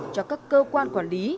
cho các cơ quan quản lý